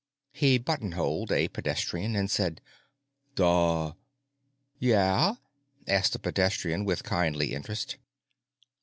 He buttonholed a pedestrian and said, "Duh." "Yeah?" asked the pedestrian with kindly interest.